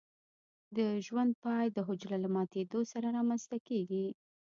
د ژوند پای د حجره له ماتیدو سره رامینځته کیږي.